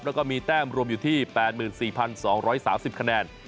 แล้วก็มีแต้มรวมอยู่ที่๘๔๒๓๐คะแนน